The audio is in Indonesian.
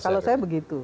iya kalau saya begitu